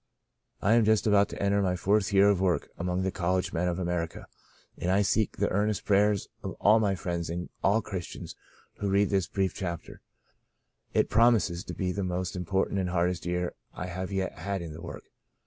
I am just about to enter on my fourth year of work among the college men of America and I seek the earnest prayers of all my friends and all Christians who read this brief chap ter. It promises to be the most important and hardest year I have yet had in the work.